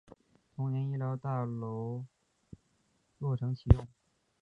同年医疗大楼落成启用。